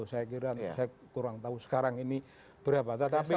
saya kira saya kurang tahu sekarang ini berapa